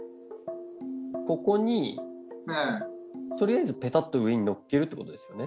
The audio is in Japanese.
ここに取りあえずペタッと上にのっけるってことですよね。